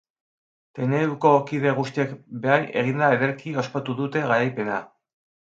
Traineruko kide guztiek blai eginda ederki ospatu dute garaipena.